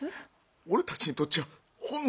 俺たちにとっちゃほんの